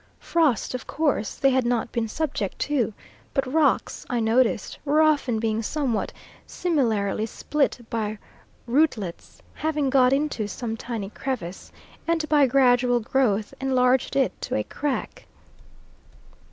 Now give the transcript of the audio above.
Frost of course they had not been subject to, but rocks, I noticed, were often being somewhat similarly split by rootlets having got into some tiny crevice, and by gradual growth enlarged it to a crack.